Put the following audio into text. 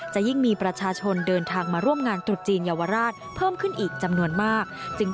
จะยิ่งมีประชาชนเดินทางมาร่วมงานตรุษจีนเยาวราชเพิ่มขึ้นอีกจำนวนมาก